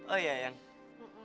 oh iya yang keren